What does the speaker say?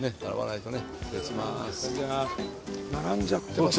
並んじゃってますよ。